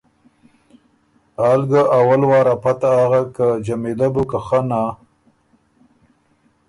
آل ګۀ اول وار ا پته اغک که جمیلۀ بو که خنا،